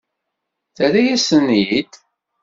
Terra-yasen-ten-id?